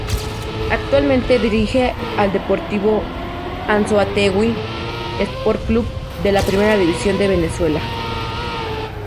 Actualmente dirige al Deportivo Anzoátegui Sport Club de la Primera División de Venezuela.